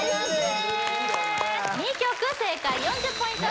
２曲正解４０ポイント